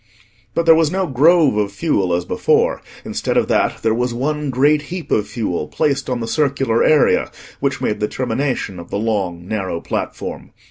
But there was no grove of fuel as before: instead of that, there was one great heap of fuel placed on the circular area which made the termination of the long narrow platform.